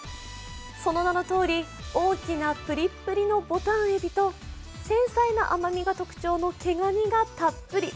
その名のとおり、大きなぷりっぷりのぼたんえびと繊細な甘みが特徴の毛がにがたっぷり。